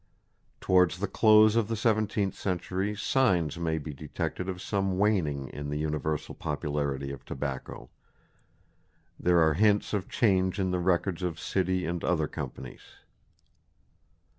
Towards the close of the seventeenth century signs may be detected of some waning in the universal popularity of tobacco. There are hints of change in the records of City and other companies.